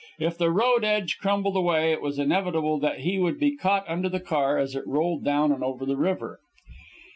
If the road edge crumbled away it was inevitable that he would be caught under the car as it rolled over and down to the river.